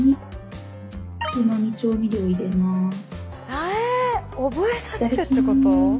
え覚えさせるってこと？